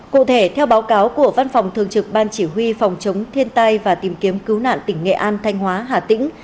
cụ thể theo báo cáo của văn phòng thường trực ban chỉ huy phòng chống thiên tai và tìm kiếm cứu nạn tỉnh nghệ an thanh hóa hà tĩnh